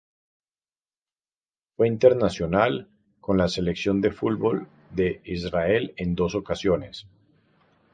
Fue internacional con la Selección de fútbol de Israel en dos ocasiones.